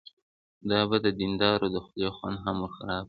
دا به د دیندارانو د خولې خوند هم ورخراب کړي.